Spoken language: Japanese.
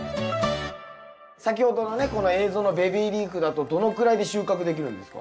先ほどのねこの映像のベビーリーフだとどのくらいで収穫できるんですか？